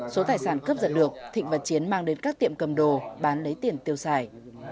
số tài sản cướp giật được thịnh và chiến mang đến các tiệm cầm đồ bán lấy tiền tiêu xài